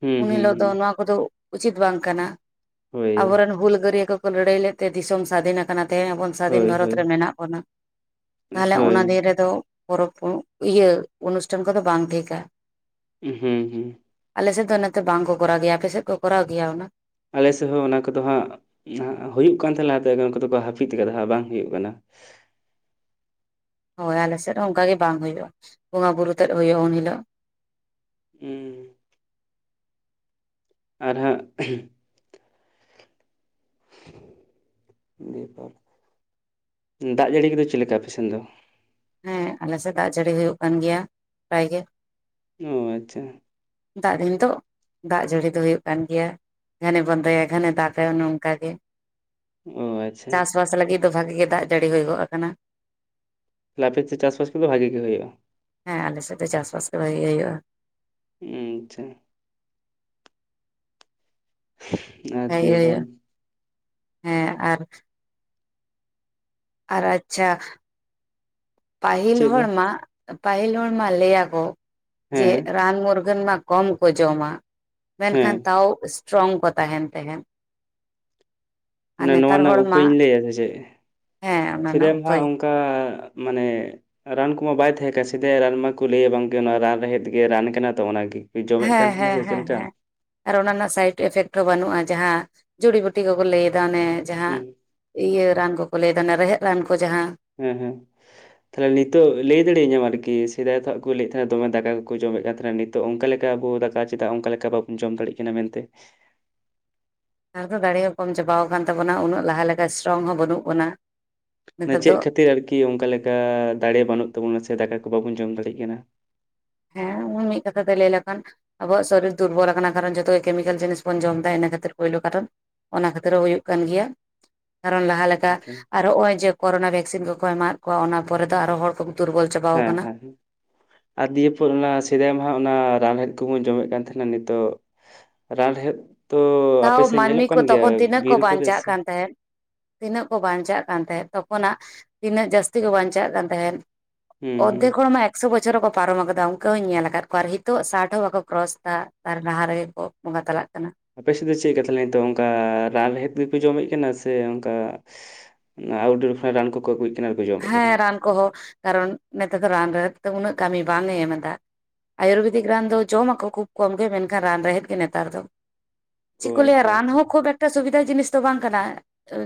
ᱦᱩᱸ ᱩᱱ ᱦᱩᱸ ᱦᱤᱞᱳᱜ ᱫᱚ ᱦᱩᱸ ᱱᱚᱣᱟ ᱠᱚᱫᱚᱸ ᱩᱪᱤᱛ ᱵᱟᱝ ᱠᱟᱱᱟ ᱦᱳᱭ ᱟᱸᱵᱚ ᱨᱮᱱ ᱦᱩᱞᱜᱟᱹᱨᱤᱭᱟᱹ ᱠᱚᱸᱼᱼ ᱞᱟᱹᱲᱦᱟᱹᱭ ᱞᱮᱫ ᱛᱮ ᱫᱤᱥᱚᱢ ᱥᱟᱫᱷᱤᱱ ᱠᱟᱱᱟ ᱛᱮᱦᱮᱧ ‌ᱟᱵᱚᱱᱼᱼ ᱥᱟᱫᱷᱤᱱ ᱦᱳᱭ ᱵᱷᱟᱨᱚᱛ ᱦᱳᱭ ᱢᱮᱱᱟᱹᱜ ᱵᱚᱱᱟ ᱛᱟᱦᱞᱮ ᱦᱳᱭ ᱚᱱᱟ ᱫᱤᱱ ᱨᱮᱫᱚᱼᱼ ᱯᱚᱨᱚᱵᱽ ᱠᱚ ᱤᱭᱟᱹ ᱚᱱᱩᱥᱴᱷᱟᱱ ᱠᱚᱫᱚᱹ ᱵᱟᱝ ᱴᱷᱤᱠᱟ᱾ ᱦᱩᱸ ᱦᱩᱸ᱾ ᱟᱞᱮ ᱥᱮᱫ ᱫᱚ ᱱᱚᱛᱮ ᱵᱟᱝ ᱠᱚ ᱠᱚᱨᱟᱣ ᱜᱮᱹᱭᱟ, ᱟᱯᱮ ᱥᱮᱫ ᱠᱚᱨᱟᱣ ᱜᱮᱭᱟ ᱚᱱᱟ? ᱟᱞᱮ ᱥᱮᱫ ᱦᱚᱸ ᱚᱱᱟ ᱠᱚᱫᱚ ᱦᱟᱸᱜᱼᱼ ᱦᱩᱭᱩᱜ ᱠᱟᱱ ᱛᱟᱦᱮᱸᱱ ᱞᱟᱦᱟ ᱛᱮ ᱩᱱᱠᱩ ᱫᱚᱠᱚᱸ ᱦᱟᱹᱯᱤᱫ ᱠᱟᱫᱟ ᱵᱟᱝ ᱦᱩᱭᱩᱜ ᱠᱟᱱᱟ᱾ ᱦᱳᱭ ᱟᱸᱞᱮ ᱥᱮᱫ ᱦᱚᱸ ᱚᱱᱠᱟ ᱜᱮ ᱵᱟᱝ ᱦᱩᱭᱩᱜᱼᱟ ᱵᱚᱸᱜᱟ ᱵᱩᱨᱩ ᱛᱮᱫ ᱦᱩᱭᱩᱜᱼᱟ ᱩᱱ ᱦᱤᱞᱳᱜ᱾ ᱩᱻ ᱟᱨ ᱦᱟᱜᱼᱼ ᱯ [inaudible] ᱫᱟᱜ ᱡᱟᱹᱲᱤ ᱠᱚᱫᱚᱹ ᱪᱮᱫ ᱞᱮᱠᱟ ᱟᱯᱮ ᱥᱮᱱ ᱫᱚ? ᱦᱮᱸ ᱟᱸᱞᱮ ᱥᱮᱫ ᱫᱟᱜ ᱡᱟᱹᱲᱤ ᱦᱩᱭᱩᱜ ᱠᱟᱱ ᱜᱮᱭᱟᱹ ᱯᱨᱟᱭᱹ ᱜᱮ᱾ ᱚ ᱟᱪᱪᱷᱟ᱾ ᱫᱟᱜ ᱫᱤᱱ ᱛᱳᱜ ᱫᱟᱜ ᱡᱟᱹᱲᱤ ᱫᱚ ᱦᱩᱭᱩᱜ ᱠᱟᱱ ᱜᱮᱭᱟ᱾ ᱜᱷᱟᱱᱮ ᱵᱚᱱᱫᱚᱭᱟ ᱜᱷᱟᱱᱮ ᱫᱟᱜᱟᱭ ᱚᱱᱮ ᱚᱱᱠᱟ ᱜᱮ᱾ ᱚ ᱟᱪᱪᱷᱟ ᱪᱟᱥᱵᱟᱥ ᱞᱟᱹᱜᱤᱫ ᱫᱚ ᱵᱷᱟᱜᱮ ᱜᱮ ᱫᱟᱜ ᱡᱟᱹᱲᱤ ᱦᱩᱭ ᱜᱚᱫ ᱠᱟᱱᱟ᱾ ᱛᱟᱦᱞᱮ ᱟᱯᱮ ᱥᱮᱫ ᱪᱟᱥᱵᱟᱥ ᱠᱚᱫᱚᱸ ᱵᱷᱟᱜᱮ ᱜᱮ ᱦᱩᱭᱩᱜᱼᱟ᱾ ᱦᱮᱸ ᱟᱞᱮ ᱥᱮᱫ ᱫᱚ ᱪᱟᱥᱵᱟᱥ ᱫᱚ ᱵᱷᱟᱜᱮ ᱜᱮ ᱦᱩᱭᱩᱜᱼᱟ᱾ ᱩ ᱟᱪᱪᱷᱟ᱾ [unintelligible] ᱦᱮᱡ ᱠᱷᱟᱱ ᱦᱩᱭᱩᱜᱼᱟ, ᱦᱮᱸ ᱟᱨᱼᱼ ᱟᱨ ᱟᱪᱪᱷᱟ᱾ ᱯᱟᱦᱤᱞ ᱪᱮᱫ ᱫᱚ ᱦᱚᱲ ᱢᱟ ᱯᱟᱦᱤᱞ ᱦᱚᱲ ᱢᱟ ᱞᱟᱹᱭᱟᱠᱚ ᱡᱮ ᱦᱮᱸ ᱨᱟᱱ ᱢᱩᱨᱜᱟᱹᱱ ᱢᱟᱼᱼ ᱠᱚᱢ ᱠᱚ ᱡᱚᱢᱟ ᱦᱮᱸ ᱢᱮᱱᱠᱷᱟᱱ ᱛᱟᱣ ᱥᱴᱨᱚᱝ ᱠᱚ ᱛᱟᱦᱮᱱ ᱛᱟᱦᱮᱸᱱ᱾ ᱢᱟᱱᱮ ᱱᱚᱣᱟ ᱨᱮᱱᱟᱜ ᱦᱚᱲ ᱢᱟ ᱩᱯᱟᱹᱭᱤᱧ ᱞᱟᱹᱭᱟ ᱥᱮ ᱪᱮᱫ ᱦᱮᱸ ᱚᱱᱟ ᱨᱮᱱᱟᱜ ᱥᱮᱫᱟᱭ ᱩᱯᱟᱹᱭ ᱱᱟᱦᱟᱸᱜ ᱚᱱᱠᱟ ᱢᱟᱱᱮᱼᱼ ᱨᱟᱱ ᱠᱚᱢᱟ ᱵᱟᱭ ᱛᱟᱦᱮᱸ ᱠᱟᱱᱟ ᱥᱮᱫᱟᱭ ᱨᱟᱱ ᱢᱟᱠᱚ ᱞᱟᱹᱭᱟ ᱵᱟᱝᱠᱮ ᱱᱚᱣᱟ ᱨᱟᱱ ᱨᱮᱦᱮᱫ ᱜᱮ ᱨᱟᱱ ᱠᱟᱱᱟ ᱛᱚ ᱚᱱᱟ ᱜᱮ᱾ ᱡᱚᱢᱮᱫ ᱠᱟᱱ ᱦᱮᱸ ᱛᱟᱦᱮᱱᱟ ᱦᱮᱸ ᱥᱮ ᱪᱮᱫ ᱦᱮᱸ ᱞᱮᱠᱟᱼᱼ ᱦᱮᱸ ᱟᱨ ᱚᱱᱟ ᱨᱮᱱᱟᱜ ᱥᱟᱭᱤᱰ ᱮᱯᱷᱮᱠᱴ ᱦᱚᱸ ᱵᱟᱱᱩᱜ-ᱟ ᱡᱟᱦᱟᱸ ᱡᱩᱲᱤ ᱵᱩᱴᱤ ᱠᱚᱠᱚᱸ ᱞᱟᱹᱭᱫᱟ ᱚᱱᱮ ᱡᱟᱦᱟᱸᱼᱼ ᱦᱮᱸ ᱤᱭᱟᱹ ᱨᱟᱱ ᱠᱚᱠᱚ ᱞᱟᱹᱭᱫᱟ ᱚᱱᱮ ᱨᱮᱦᱮᱫ ᱨᱟᱱ ᱠᱚ ᱡᱟᱦᱟᱸᱼᱼ ᱦᱮᱸ ᱦᱮᱸ᱾ ᱛᱟᱦᱚᱞᱮ ᱱᱤᱛᱚᱜ ᱞᱟᱹᱭ ᱫᱟᱲᱮᱭᱟᱹᱧᱟᱢ ᱟᱨᱠᱤ ᱥᱮᱫᱟᱭ ᱫᱚ ᱦᱟᱜ ᱠᱚ ᱞᱟᱹᱭᱮᱫ ᱛᱟᱦᱮᱱᱟ ᱫᱚᱢᱮ ᱫᱟᱠᱟ ᱠᱚᱠᱚᱸ ᱡᱚᱢᱮᱫ ᱠᱟᱱ ᱛᱟᱦᱮᱱᱟ ᱱᱤᱛᱼᱼ ᱛᱚ ᱚᱱᱠᱟ ᱞᱮᱠᱟ ᱟᱵᱚ ᱫᱟᱠᱟ ᱪᱮᱫᱟᱜ ᱚᱱᱠᱟ ᱞᱮᱠᱟ ᱵᱟᱵᱚᱱ ᱡᱚᱢ ᱫᱟᱲᱮᱜ ᱠᱟᱱᱟ ᱢᱮᱱᱛᱮ᱾ ᱱᱮᱛᱟᱨ ᱫᱚᱸ ᱫᱟᱲᱮ ᱦᱚ ᱠᱚᱢ ᱪᱟᱵᱟᱣ ᱠᱟᱱ ᱛᱟᱵᱚᱱᱟ ᱩᱱᱟᱹᱜ ᱞᱟᱦᱟᱸ ᱞᱮᱠᱟ ᱥᱴᱨᱚᱝ ᱦᱚᱸ ᱵᱟᱹᱱᱩᱜ ᱵᱚᱱᱟ᱾ ᱢᱟᱱᱮ ᱱᱮᱛᱟᱨ ᱫᱚ ᱪᱮᱫ ᱠᱷᱟᱹᱛᱤᱨ ᱟᱨᱠᱤ ᱚᱱᱠᱟ ᱞᱮᱠᱟ ᱫᱟᱲᱮ ᱵᱟᱹᱱᱩᱜ ᱛᱟᱵᱚᱱᱟ ᱥᱮ ᱫᱟᱠᱟ ᱠᱚ ᱵᱟᱵᱚᱱ ᱡᱚᱢ ᱫᱟᱲᱮᱜ ᱠᱟᱱᱟ᱾ ᱦᱮᱸ ᱩᱱᱤ ᱢᱤᱫ ᱠᱟᱛᱷᱟ ᱛᱮ ᱞᱟᱹᱭ ᱞᱮᱠᱷᱟᱱᱼᱼ ᱟᱸᱵᱚᱣᱟᱜ ᱥᱚᱨᱤᱨ ᱫᱩᱨᱵᱚᱞ ᱠᱟᱱᱟ ᱠᱟᱨᱚᱱ ᱡᱚᱛᱚ ᱜᱮ ᱠᱮᱢᱤᱠᱮᱞ ᱡᱤᱱᱤᱥ ᱵᱚᱱ ᱡᱚᱢ ᱫᱟ ᱤᱱᱟᱹ ᱠᱷᱟᱹᱛᱤᱨ ᱯᱳᱭᱞᱳ ᱠᱟᱨᱚᱱ᱾ ᱚᱱᱟ ᱠᱷᱟᱹᱛᱤᱨ ᱦᱚᱸ ᱦᱩᱭᱩᱜ ᱠᱟᱱ ᱜᱮᱭᱟ᱾ ᱠᱟᱨᱚᱱ ᱞᱟᱦᱟ ᱞᱮᱠᱟ ᱦᱮᱸ ᱦᱮᱸ ᱟᱨ ᱦᱚᱜᱼᱚᱭ ᱡᱮ ᱠᱚᱨᱚᱱᱟ ᱵᱷᱮᱠᱥᱤᱱ ᱠᱚᱠᱚ ᱮᱢᱟᱣᱟᱜ ᱠᱚᱣᱟ ᱚᱱᱟ ᱯᱚᱨᱮ ᱫᱚ ᱟᱨᱚ ᱦᱚᱲ ᱠᱚ ᱫᱩᱨᱵᱚᱞᱼᱼ ᱦᱮᱸ ᱦᱮᱸ ᱦᱮᱸ᱾ ᱟᱨ ᱫᱤᱭᱮ ᱯᱚᱨ ᱚᱱᱟ ᱥᱮᱫᱟᱭ ᱢᱟ ᱦᱟᱜ ᱚᱱᱟ ᱨᱟᱱ ᱨᱮᱦᱮᱫ ᱠᱚᱵᱚᱱ ᱡᱚᱢᱮᱫ ᱠᱟᱱ ᱛᱟᱦᱮᱱᱟ ᱱᱤᱛᱚᱜᱼᱼ ᱨᱟᱱ ᱨᱮᱦᱮᱫᱼᱼ ᱞᱟᱦᱟᱣ ᱢᱟᱱᱢᱤ ᱠᱚ ᱛᱚᱠᱷᱚᱱ ᱛᱤᱱᱟᱹᱜ ᱠᱚ ᱵᱤᱨ ᱠᱚᱨᱮ ᱵᱟᱧᱪᱟᱜ ᱥᱮ ᱠᱟᱱ ᱛᱟᱦᱮᱸᱫ᱾ ᱛᱤᱱᱟᱹᱜ ᱠᱚ ᱵᱟᱧᱪᱟᱜ ᱠᱟᱱ ᱛᱟᱦᱮᱸᱫ, ᱛᱚᱠᱷᱚᱱᱟᱜ ᱛᱤᱱᱟᱹᱜ ᱡᱟᱹᱥᱛᱤ ᱠᱚ ᱵᱟᱧᱪᱟᱜ ᱠᱟᱱ ᱛᱟᱦᱮᱸᱱ᱾ ᱦᱩᱸ ᱦᱩᱸ ᱚᱨᱫᱷᱮᱠ ᱦᱚᱲ ᱢᱟ ᱮᱠᱼᱼ ᱢᱤᱫᱥᱚ ᱵᱚᱪᱷᱚᱨ ᱦᱚᱠᱚ ᱯᱟᱨᱚᱢ ᱟᱠᱟᱫᱟ, ᱚᱱᱠᱟᱹ ᱦᱚᱸᱧ ᱧᱮᱞ ᱟᱠᱟᱫ ᱠᱚᱣᱟ ᱟᱨ ᱦᱤᱛᱚᱜ ᱥᱟᱴ ᱦᱚᱸ ᱵᱟᱠᱚ ᱠᱨᱚᱥ ᱫᱟ, ᱛᱟᱨ ᱞᱟᱦᱟ ᱨᱮᱜᱮ ᱠᱚ ᱵᱚᱸᱜᱟ ᱛᱟᱞᱟᱜ ᱠᱟᱱᱟ᱾ ᱟᱯᱮ ᱥᱮᱫ ᱫᱚ ᱪᱮᱫ ᱞᱮᱠᱟ ᱛᱟᱦᱚᱞᱮ ᱱᱤᱛᱚ ᱚᱱᱠᱟ ᱨᱟᱱ ᱨᱮᱦᱮᱫ ᱜᱮᱯᱮ ᱡᱚᱢᱮᱫ ᱠᱟᱱᱟ, ᱥᱮ ᱚᱱᱠᱟ ᱟᱩᱴᱰᱳᱨ ᱠᱷᱚᱱᱟᱜ ᱨᱟᱱ ᱠᱚᱠᱚ ᱟᱜᱩᱭ ᱦᱮᱸ ᱨᱟᱱ ᱠᱚᱦᱚᱸ, ᱠᱟᱨᱚᱱ ᱱᱮᱛᱟᱨ ᱫᱚ ᱨᱟᱱ ᱨᱮᱦᱮ ᱫᱚ ᱩᱱᱟᱹᱜ ᱠᱟᱢᱤ ᱵᱟᱝᱮ ᱮᱢ ᱮᱫᱟ᱾ ᱟᱭᱩᱨᱵᱮᱫᱤᱠ ᱨᱟᱱ ᱫᱚ ᱡᱚᱢᱟᱠᱚ ᱠᱷᱩᱵ ᱠᱚᱢ ᱜᱮ, ᱢᱮᱱᱠᱷᱟᱱ ᱨᱟᱱ ᱨᱮᱦᱮᱫ ᱜᱮ ᱱᱮᱛᱟᱨ ᱫᱚ᱾ ᱚ ᱪᱤᱜ ᱠᱚ ᱞᱟᱹᱭᱟ ᱟᱪᱪᱷᱟ ᱨᱟᱱ ᱟᱪᱪᱷᱟ ᱦᱚᱸ ᱠᱷᱩᱵ ᱮᱠ ᱴᱟ ᱥᱩᱵᱤᱫᱷᱟ ᱡᱤᱱᱤᱥ ᱫᱚ ᱵᱟᱝ ᱠᱟᱱᱟ,